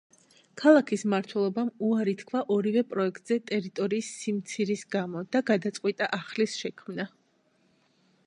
ქალაქის მმართველობამ უარი თქვა ორივე პროექტზე ტერიტორიის სიმცირის გამო და გადაწყვიტა ახლის შექმნა.